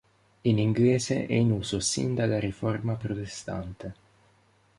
In inglese è in uso sin dalla Riforma Protestante.